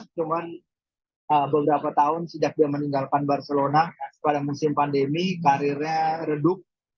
cuman beberapa tahun sejak dia meninggalkan barcelona pada musim pandemi karirnya redup